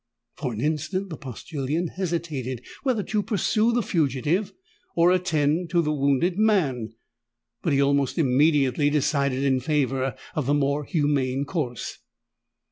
For an instant the postillion hesitated whether to pursue the fugitive or attend to the wounded man; but he almost immediately decided in favour of the more humane course.